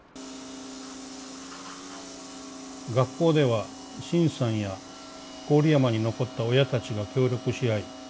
「学校では沈さんや郡山に残った親たちが協力し合い